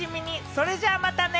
それじゃまたね！